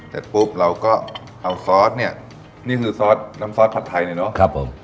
เสร็จปุ๊บเราก็เอาซอสเนี่ยนี่คือซอสน้ำซอสผัดไทยเนี่ยเนอะครับผม